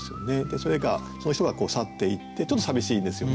それがその人が去っていってちょっと寂しいんですよね。